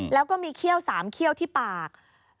แล้วก็มีเขี้ยว๓เขี้ยวที่ปาก